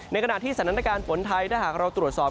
ในขณะที่สถานการณ์ฝนไทยถ้าหากเราตรวจสอบ